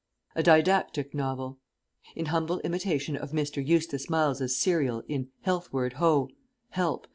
A DIDACTIC NOVEL [In humble imitation of Mr. EUSTACE MILES'S serial in Healthward Ho! (Help!)